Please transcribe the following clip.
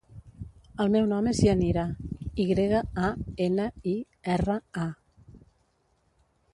El meu nom és Yanira: i grega, a, ena, i, erra, a.